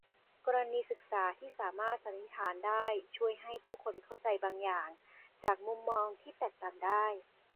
กรณีศึกษาที่สามารถสันนิษฐานได้ช่วยให้ผู้คนเข้าใจบางอย่างจากมุมมองที่แตกต่างได้